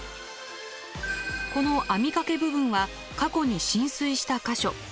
この網掛け部分は過去に浸水した箇所。